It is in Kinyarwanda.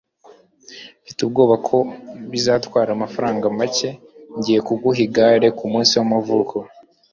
Mfite ubwoba ko bizatwara amafaranga make. Ngiye kuguha igare kumunsi wamavuko.